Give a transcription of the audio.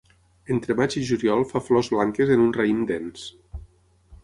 Entre maig i juliol fa flors blanques en un raïm dens.